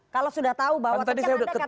kalau sudah tahu bahwa tadi kan anda katakan